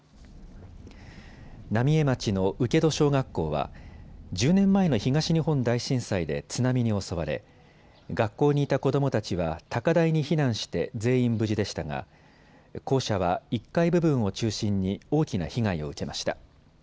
浪江町の請戸小学校は１０年前の東日本大震災で津波に襲われ、学校にいた子どもたちは高台に避難して全員無事でしたが校舎は１階部分を中心に大きな被害を受けました。